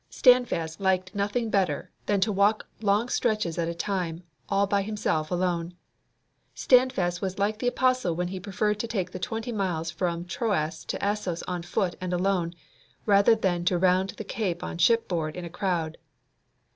Standfast liked nothing better than to walk long stretches at a time all by himself alone. Standfast was like the apostle when he preferred to take the twenty miles from Troas to Assos on foot and alone, rather than to round the cape on shipboard in a crowd.